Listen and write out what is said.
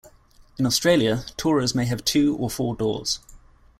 In Australia tourers may have two or four doors.